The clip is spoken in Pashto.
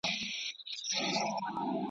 o چي غل نه اوړي. مل دي واوړي.